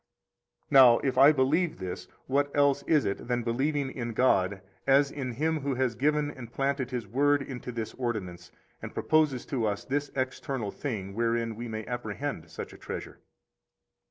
Now, if I believe this, what else is it than believing in God as in Him who has given and planted His Word into this ordinance, and proposes to us this external thing wherein we may apprehend such a treasure?